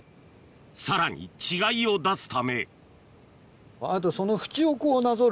さらに違いを出すためあとその。